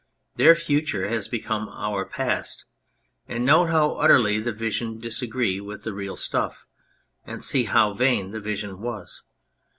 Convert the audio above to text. Their future has become our past, and note how utterly the vision disagrees with the real stuff, and see how vain the vision was.